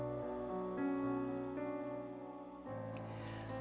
aku mau pulang